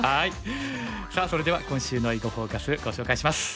さあそれでは今週の「囲碁フォーカス」ご紹介します。